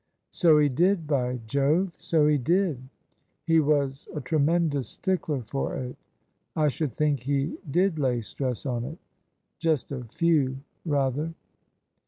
" So he did, by Jove, so he did ! He was a tremendous stickler for it. I should think he did lay stress on it! Just a few — rather!